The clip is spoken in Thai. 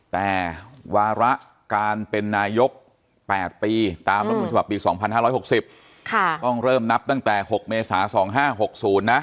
แต่วาระการเป็นนายก๘ปีตามรัฐมนุนฉบับปี๒๕๖๐ต้องเริ่มนับตั้งแต่๖เมษา๒๕๖๐นะ